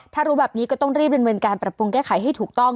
ถ้ารู้แบบนี้ก็ต้องรีบดำเนินการปรับปรุงแก้ไขให้ถูกต้อง